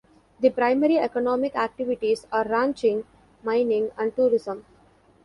The primary economic activities are ranching, mining, and tourism.